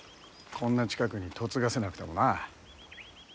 こんな近くに嫁がせなくてもな。